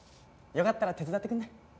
よかったら手伝ってくんね？